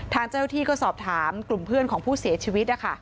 ทางเจ้าที่ก็สอบถามกลุ่มเพื่อนของผู้เสียชีวิต